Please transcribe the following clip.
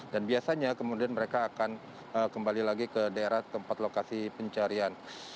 dan biasanya kemudian mereka akan kembali lagi ke daerah tempat lokasi pencarian